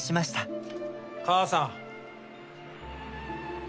母さん。